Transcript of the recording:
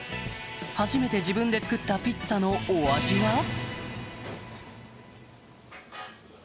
初めて自分で作ったピッツァのお味は？